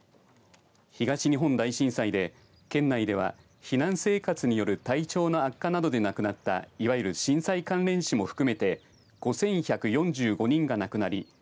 東日本大震災で県内では避難生活による体調の悪化などで亡くなったいわゆる震災関連死も含めて５１４５人が亡くなり